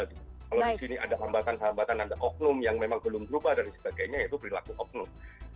kalau di sini ada hambatan hambatan ada oknum yang memang belum berubah dan sebagainya yaitu perilaku oknum